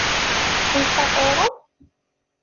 Tensa ɣur-m?